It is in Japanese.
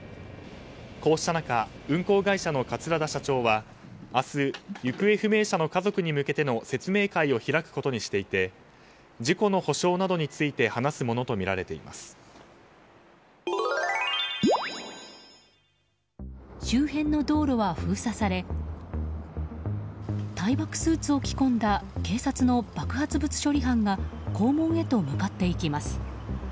こうした中、運航会社の桂田社長は明日、行方不明者の家族に向けての説明会を開くことにしていて事故の補償などについて周辺の道路は封鎖され耐爆スーツを着込んだ警察の爆発物処理班が校門へと向かっていきます。